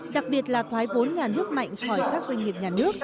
đặc biệt là thoái vốn nhà nước mạnh khỏi các doanh nghiệp nhà nước